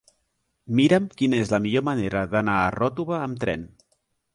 Mira'm quina és la millor manera d'anar a Ròtova amb tren.